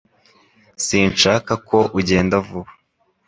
Sinshaka ko ugenda vuba